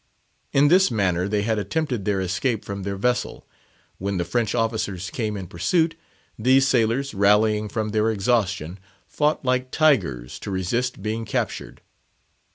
In this manner they had attempted their escape from their vessel. When the French officers came in pursuit, these sailors, rallying from their exhaustion, fought like tigers to resist being captured.